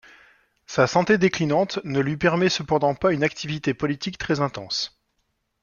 Sa santé déclinante ne lui permet cependant pas une activité politique très intense.